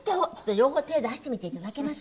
両方手出してみていただけます？